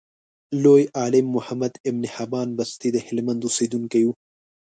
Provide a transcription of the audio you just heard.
لوی عالم محمد ابن حبان بستي دهلمند اوسیدونکی و.